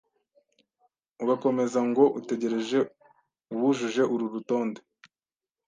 ugakomeza ngo utegereje uwujuje uru rutonde